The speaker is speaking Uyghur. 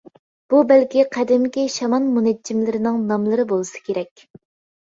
بۇ بەلكى قەدىمكى شامان مۇنەججىملەرنىڭ ناملىرى بولسا كېرەك.